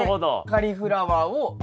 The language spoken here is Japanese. カリフラワーを育てる。